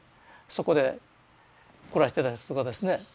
そこで暮らしてた人とかですね。